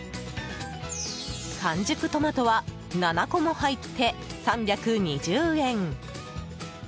完熟トマトは７個も入って３２０円。